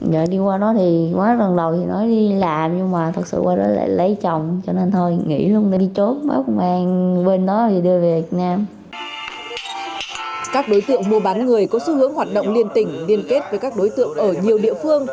các đối tượng mua bán người có xu hướng hoạt động liên tỉnh liên kết với các đối tượng ở nhiều địa phương